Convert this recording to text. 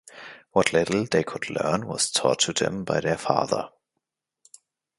What little they could learn was taught to them by their father.